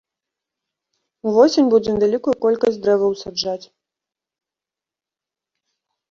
Увосень будзем вялікую колькасць дрэваў саджаць.